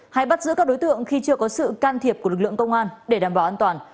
hay bắt giữ các đối tượng khi chưa có sự can thiệp của lực lượng công an để đảm bảo an toàn